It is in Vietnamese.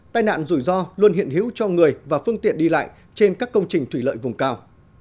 tai nạn rủi ro luôn hiện hữu cho người và phương tiện đi lại trên các công trình thủy lợi vùng cao